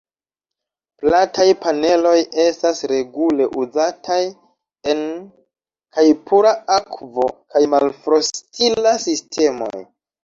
Plataj paneloj estas regule uzataj en kaj pura akvo kaj malfrostila sistemoj.